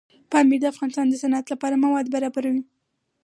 پامیر د افغانستان د صنعت لپاره مواد برابروي.